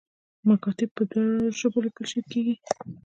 مکاتیب په دواړو ژبو لیکل کیږي